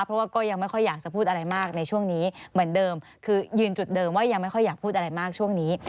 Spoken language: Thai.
เพราะว่าก็ยังไม่ค่อยอยากจะพูดอะไรมากในช่วงนี้เหมือนเดิมคือยืนจุดเดิมว่ายังไม่ค่อยอยากพูดอะไรมากช่วงนี้